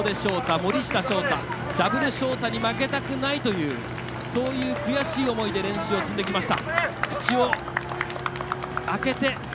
塩出翔太、森下翔太ダブルしょうたに負けたくないというそういう悔しい思いで練習を積んできました。